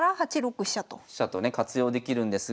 飛車とね活用できるんですが。